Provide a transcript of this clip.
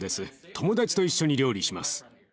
友達と一緒に料理します。